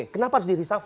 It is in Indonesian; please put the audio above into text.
kenapa harus di resuffle